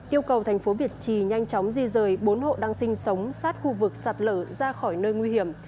yêu cầu thành phố việt trì nhanh chóng di rời bốn hộ đang sinh sống sát khu vực sạt lở ra khỏi nơi nguy hiểm